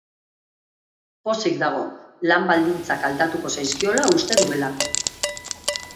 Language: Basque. Pozik dago, lan baldintzak aldatuko zaizkiola uste duelako.